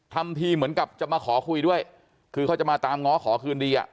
ทำทีเหมือนกับจะมาขอคุยด้วยคือเขาจะมาตามง้อขอคืนดีอ่ะ